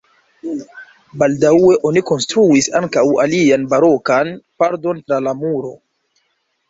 Baldaŭe oni konstruis ankaŭ alian barokan pordon tra la muro.